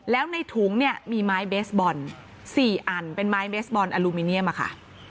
แล้วในถุงเนี่ยมีไม้เบสบอล๔อันเป็นไม้เบสบอลอลูมิเนียมค่ะ